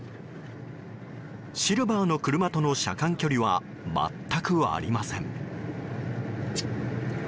シルバーの車との車間距離は全くありません。